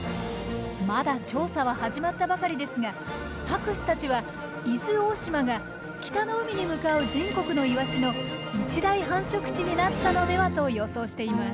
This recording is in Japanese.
まだ調査は始まったばかりですが博士たちは伊豆大島が北の海に向かう全国のイワシの一大繁殖地になったのではと予想しています。